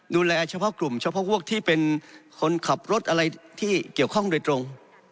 โดยเฉพาะกลุ่มเฉพาะพวกที่เป็นคนขับรถอะไรที่เกี่ยวข้องโดยตรง